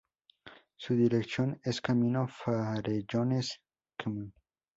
Su dirección es Camino Farellones Km.